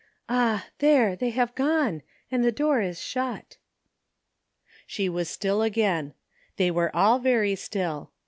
Ah ! there, they have gone, and the door is shut." She was still again. They were all very still.